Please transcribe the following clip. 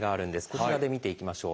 こちらで見ていきましょう。